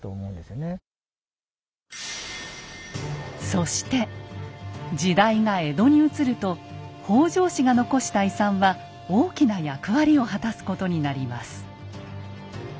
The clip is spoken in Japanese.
そして時代が江戸にうつると北条氏が残した遺産は大きな役割を果たすことになります。